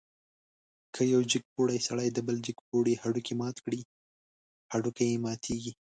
که یو جګپوړی سړی د بل جګپوړي هډوکی مات کړي، هډوکی یې ماتېږي.